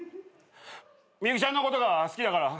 ミユキちゃんのことが好きだから。